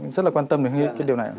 rất là quan tâm đến cái điều này